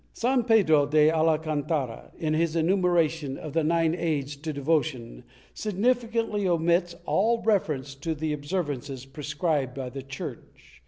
^ San Pedro de Alcantara, in his enumeration of the nine aids to devotion, significantly omits all reference to the observances prescribed by the Church.